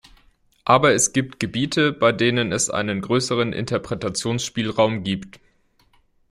Aber es gibt Gebiete, bei denen es einen größeren Interpretationsspielraum gibt.